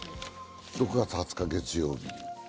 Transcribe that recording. ６がつ２０日月曜日。